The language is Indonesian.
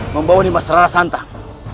membawani masyarakat santan